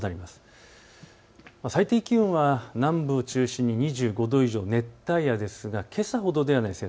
最低気温は南部を中心に２５度以上、熱帯夜ですがけさほどではないです。